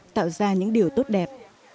tạo ra những điều tốt đẹp